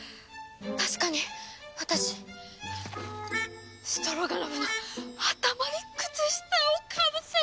確かに私ストロガノフの頭に靴下をかぶせて！